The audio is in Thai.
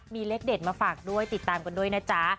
มีเลขเด็ดมาฝากด้วยติดตามกันด้วยนะจ๊ะ